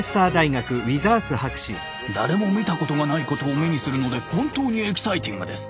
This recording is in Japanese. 誰も見たことがないことを目にするので本当にエキサイティングです。